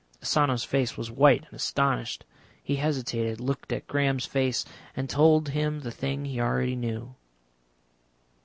Asano's face was white and astonished; he hesitated, looked at Graham's face, and told him the thing he already knew.